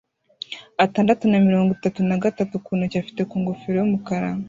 atandatu na mirongo itatu na gatatu ku ntoki afite ku ngofero y'umukara